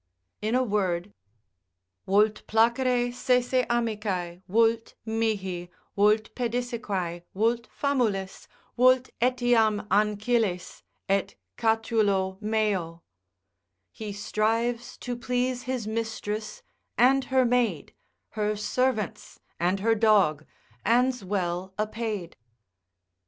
In a word, Vult placere sese amicae, vult mihi, vult pedissequae, Vult famulis, vult etiam ancillis, et catulo meo. He strives to please his mistress, and her maid, Her servants, and her dog, and's well apaid.